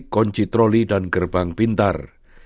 konci troli dan gerbang pintar